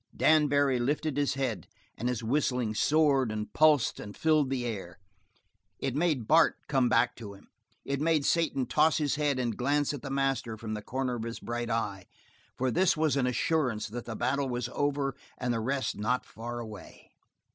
Dan Barry lifted his head and his whistling soared and pulsed and filled the air. It made Bart come back to him; it made Satan toss his head and glance at the master from the corner of his bright eye, for this was an assurance that the battle was over and the rest not far away.